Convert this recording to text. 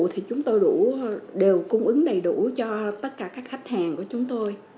thì chúng tôi đều cung ứng đầy đủ cho tất cả các khách hàng của chúng tôi